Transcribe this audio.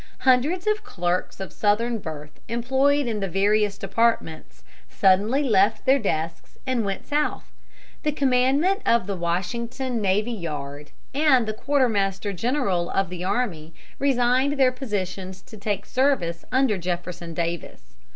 Hundreds of clerks of Southern birth employed in the various departments suddenly left their desks and went South. The commandant of the Washington navy yard and the quartermaster general of the army resigned their positions to take service under Jefferson Davis.